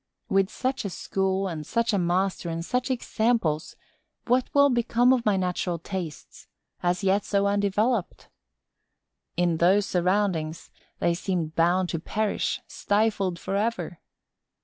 With such a school and such a master and such examples, what will become of my natural tastes, as yet so undeveloped? In those surroundings, they seem bound to perish, stifled forever.